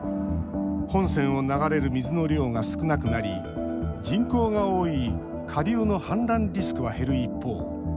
本川を流れる水の量が少なくなり人口が多い下流の氾濫リスクは減る一方